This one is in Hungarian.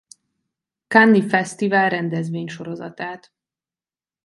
Cannes-i Fesztivál rendezvénysorozatát.